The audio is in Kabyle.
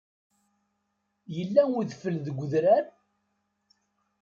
Yella udfel deg udrar?